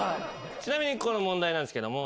ちなみにこの問題なんすけども。